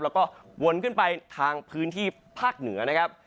แล้วก็วนขึ้นไปทางพื้นที่ภาคเหนือนะครับ